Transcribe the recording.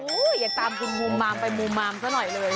อยากตามคุณภูมิมามไปมุมมามซะหน่อยเลย